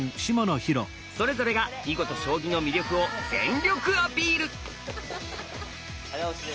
それぞれが囲碁と将棋の魅力を全力アピール！